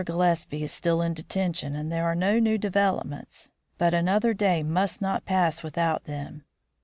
Gillespie is still in detention and there are no new developments. But another day must not pass without them.